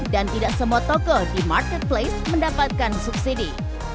dan tidak semua toko di marketplace mendapatkan subsidi